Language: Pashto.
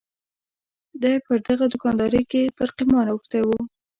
دای پر دغه دوکاندارۍ کې پر قمار اوښتی و.